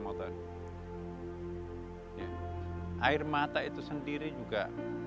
karena mereka menerima